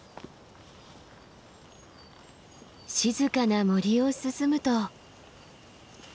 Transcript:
静かな森を進むと。